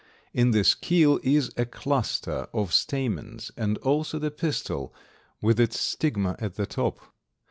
In this keel is a cluster of stamens, and also the pistil with its stigma at the top.